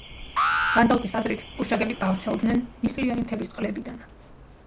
განდალფის აზრით, გუშაგები გავრცელდნენ ნისლიანი მთების წყლებიდან.